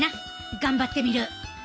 頑張ってみる！